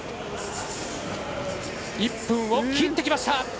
１分を切ってきました。